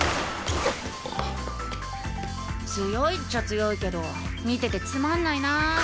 強いっちゃ強いけど見ててつまんないなあ。